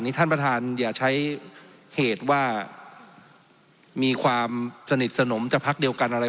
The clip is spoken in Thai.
ท่านประธานอย่าใช้เหตุว่ามีความสนิทสนมจากพักเดียวกันอะไร